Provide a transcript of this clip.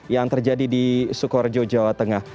yang terjadi di sukoharjo jawa tengah